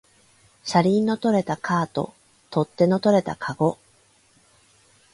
車輪の取れたカート、取っ手の取れたかご